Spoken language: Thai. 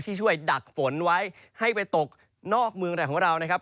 ช่วยดักฝนไว้ให้ไปตกนอกเมืองไหนของเรานะครับ